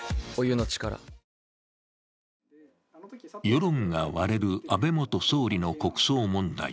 世論が割れる安倍元総理の国葬問題。